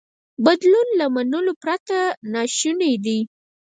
بدلون له منلو پرته ناشونی دی.